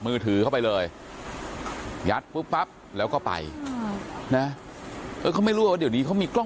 มือถือเข้าไปเลยยัดปุ๊บปั๊บแล้วก็ไปนะเออเขาไม่รู้ว่าเดี๋ยวนี้เขามีกล้อง